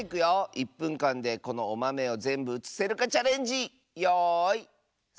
１ぷんかんでこのおまめをぜんぶうつせるかチャレンジよいスタート！